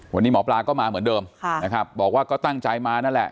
วันนี้หมอปลาก็มาเหมือนเดิมนะครับบอกว่าก็ตั้งใจมานั่นแหละ